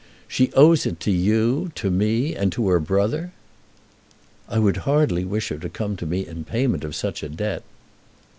She owes it to you, to me, and to her brother." "I would hardly wish her to come to me in payment of such a debt."